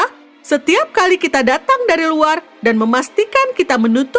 karena setiap kali kita datang dari luar dan memastikan kita menuntut